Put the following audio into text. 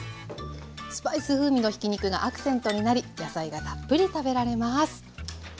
スパイス風味のひき肉がアクセントになり野菜がたっぷり食べられます。